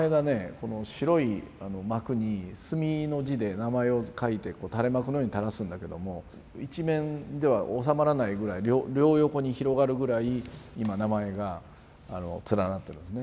この白い幕に墨の字で名前を書いて垂れ幕のように垂らすんだけども一面ではおさまらないぐらい両横に広がるぐらい今名前が連なってますね。